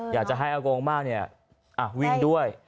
อยากจะให้อาโกงอำม่าเนี่ยอ่ะวิ่งด้วย